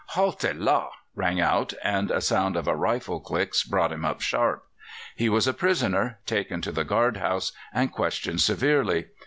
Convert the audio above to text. "Halte là!" rang out, and a sound of a rifle's click brought him up sharp. He was a prisoner, taken to the guard house, and questioned severely.